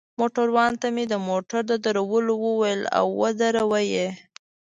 موټروان ته مې د موټر د درولو وویل، او ودروه يې.